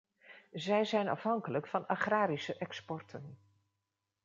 Zij zijn afhankelijk van agrarische exporten.